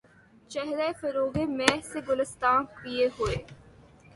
چہرہ فروغِ مے سے گُلستاں کئے ہوئے